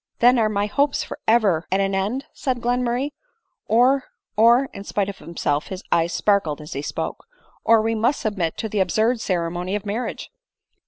" Then are my hopes for ever at an end," said Glen murray ;—" or— or, (and in spite of himself his eyes sparkled as he spoke)— or we must submit to the absurd ceremony of marriage."